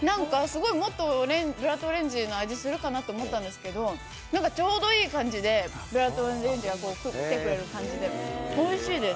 もっとブラッドオレンジの味するかなと思ったんですけど、なんかちょうどいい感じでブラッドオレンジがきてくれる感じでおいしいです。